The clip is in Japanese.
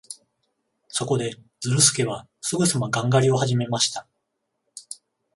そこで、ズルスケはすぐさまガン狩りをはじめました。